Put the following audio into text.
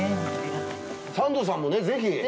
サンドさんもぜひ！